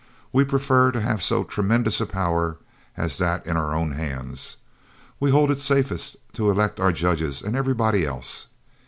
We prefer to have so tremendous a power as that in our own hands. We hold it safest to elect our judges and everybody else.